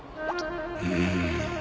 うん。